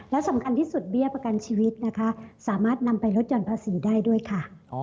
และสำคัญที่สุดเบี้ยประกันชีวิตนะคะสามารถนำไปลดหย่อนภาษีได้ด้วยค่ะ